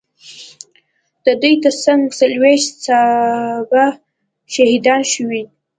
د دوی ترڅنګ څلوېښت صحابه شهیدان شوي.